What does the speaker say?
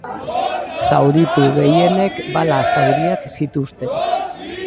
Zauritu gehienek bala-zauriak zituzten.